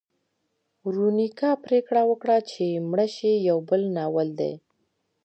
ورونیکا پریکړه وکړه چې مړه شي یو بل ناول دی.